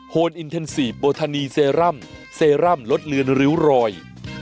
นอินเทนซีฟโบทานีเซรั่มเซรั่มลดเลือนริ้วรอย